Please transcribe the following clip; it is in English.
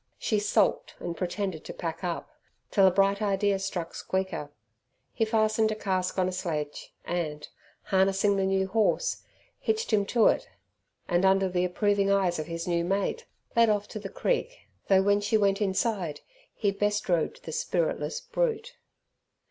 She sulked and pretended to pack up, till a bright idea struck Squeaker. He fastened a cask on a sledge and, harnessing the new horse, hitched him to it, and, under the approving eyes of his new mate, led off to the creek, though, when she went inside, he bestrode the spiritless brute.